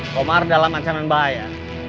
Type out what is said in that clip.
komar dalam ancaman bahaya